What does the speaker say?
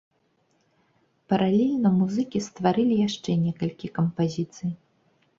Паралельна музыкі стварылі яшчэ некалькі кампазіцый.